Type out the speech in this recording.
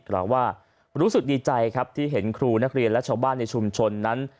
กล่าวว่ารู้สึกดีใจครับที่เห็นครูนักเรียนและชาวบ้านในชุมชนนั้น